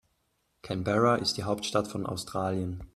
Canberra ist die Hauptstadt von Australien.